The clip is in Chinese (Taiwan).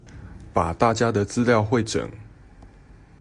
把大家的資料彙整